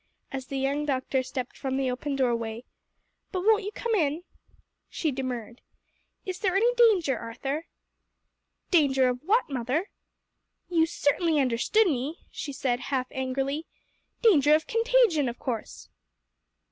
as the young doctor stepped from the open doorway. "But won't you come in?" She demurred. "Is there any danger, Arthur?" "Danger of what, mother?" "You certainly understood me," she said half angrily; "danger of contagion, of course."